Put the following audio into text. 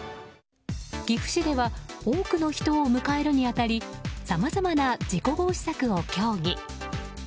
岐阜市では多くの人を迎えるに当たりさまざまな事故防止策を協議。